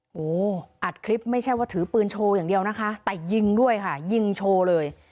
โอ้โหอัดคลิปไม่ใช่ว่าถือปืนโชว์อย่างเดียวนะคะแต่ยิงด้วยค่ะยิงโชว์เลย